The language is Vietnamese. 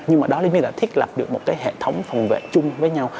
nhưng mà đó lý miệng là thiết lập được một cái hệ thống phòng vệ chung với nhau